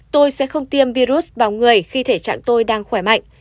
tôi sẽ không tiêm virus vào người khi thể trạng tôi đang khỏe mạnh